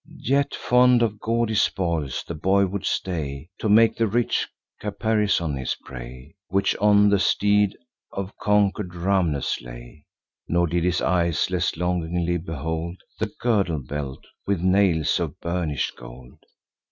Yet, fond of gaudy spoils, the boy would stay To make the rich caparison his prey, Which on the steed of conquer'd Rhamnes lay. Nor did his eyes less longingly behold The girdle belt, with nails of burnish'd gold.